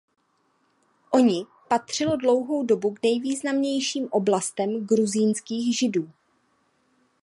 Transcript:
Oni patřilo dlouhou dobu k nejvýznamnějším oblastem gruzínských Židů.